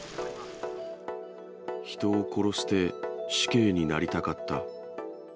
人を殺して、死刑になりたかった。